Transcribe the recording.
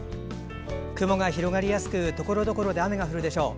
雲が広がりやすくところどころで雨が降るでしょう。